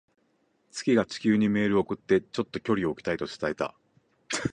月が地球にメールを送って、「ちょっと距離を置きたい」と伝えた。